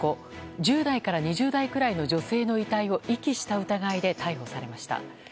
１０代から２０代くらいの女性の遺体を遺棄した疑いで逮捕されました。